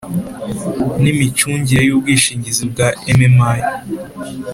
N imicungire y ubwishingizi bwa mmi